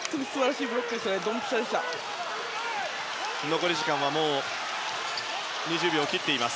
残り時間はもう２０秒を切っています。